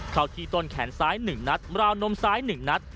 เข้าที่ต้นแขนซ้าย๑นัดราวนมซ้าย๑นัด